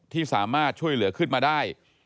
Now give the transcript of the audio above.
ที่สามารถช่วยเหลือขึ้นมาได้